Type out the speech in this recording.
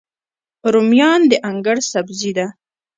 رومیان د انګړ سبزي ده